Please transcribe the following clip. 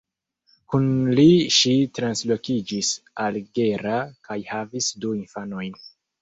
Kun li ŝi translokiĝis al Gera kaj havis du infanojn.